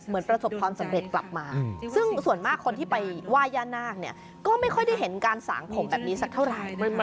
รุปัญญาณาคก็ไม่ค่อยได้เห็นการสางผมแบบนี้สักเท่าไร